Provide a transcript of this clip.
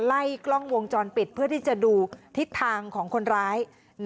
ไล่กล้องวงจรปิดเพื่อที่จะดูทิศทางของคนร้าย